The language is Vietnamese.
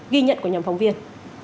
ghi nhận của nhóm phóng viên